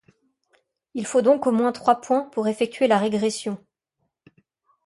Il faut donc au moins trois points pour effectuer la régression.